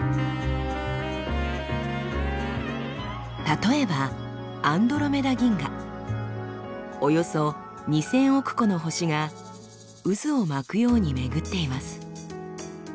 例えばおよそ２，０００億個の星が渦を巻くように巡っています。